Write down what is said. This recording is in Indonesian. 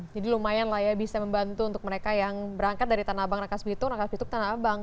jadi lumayan lah ya bisa membantu untuk mereka yang berangkat dari tanabang nakasbituk nakasbituk tanabang